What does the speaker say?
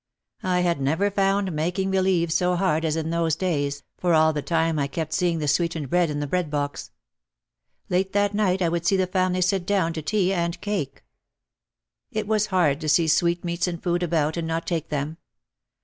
I had never found making believe so hard as in those days, for all the time I kept seeing the sweetened bread in the bread box. Late that night I would see the family sit down to tea and cake. It was hard to see sweetmeats and food about and not take them.